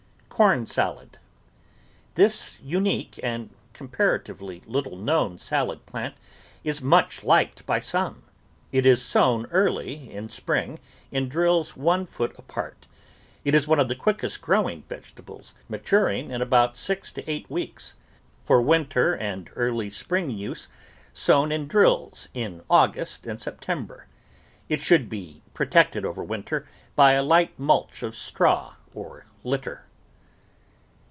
CORN SALAD This unique and comparatively little known salad plant is much liked by some. It is sown early in spring in drills one foot apart. It is one of the quick growing vegetables, maturing in about six to eight weeks. For winter and early spring use, sown in drills in August and September. It should be pro tected over winter by a light mulch of straw or litter.